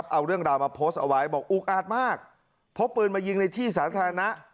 เอาเรื่องราวมาโพสต์เอาไว้บอกอุกอาจมากพกปืนมายิงในที่สาธารณะ